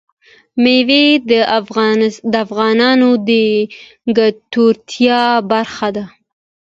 مېوې د افغانانو د ګټورتیا برخه ده.